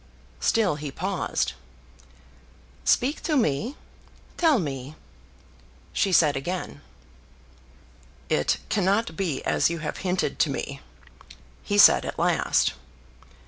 Still he paused. "Speak to me. Tell me!" she said again. "It cannot be as you have hinted to me," he said at last.